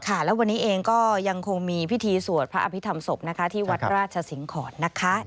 ค่ะแล้ววันนี้เองก็ยังคงมีพิธีสวดพระอภิษฐรรมศพนะคะที่วัดราชสิงหอนนะคะ